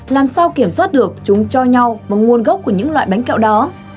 làm sao kiểm soát được chúng cho nhau và nguồn gốc của những loại bánh kẹo đó